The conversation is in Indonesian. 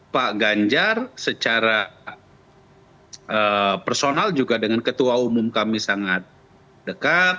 pak ganjar secara personal juga dengan ketua umum kami sangat dekat